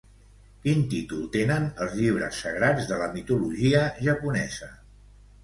Quin títol tenen els llibres sagrats de la mitologia japonesa?